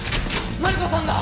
マリコさんが！